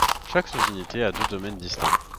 Chaque sous-unité a deux domaines distincts.